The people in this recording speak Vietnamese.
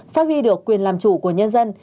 phát huy được quyền làm chủ của nhân dân